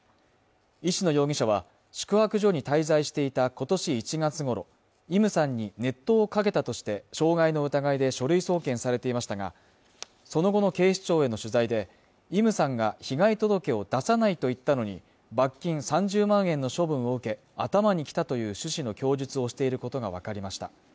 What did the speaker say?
石野容疑者は宿泊所に滞在していた今年１月頃イムさんに熱湯をかけたとして傷害の疑いで書類送検されていましたがその後の警視庁への取材でイムさんが被害届を出さないと言ったのに罰金３０万円の処分を受け頭にきたという趣旨の供述をしていることが分かりました